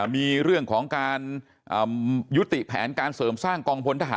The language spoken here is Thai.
มีเรื่องของการยุติแผนการเสริมสร้างกองพลทหาร